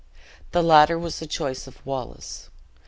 The latter was the choice of Wallace.